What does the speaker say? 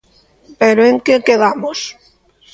Pero en que quedamos?